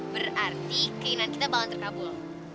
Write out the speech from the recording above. berarti keinginan kita bakalan terkabul